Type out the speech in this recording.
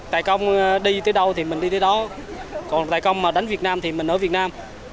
tại công đi tới đâu thì mình đi tới đó còn tại công mà đánh việt nam thì mình ở việt nam